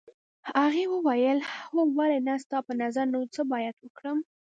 هغې وویل هو ولې نه ستا په نظر نور باید څه وکړو.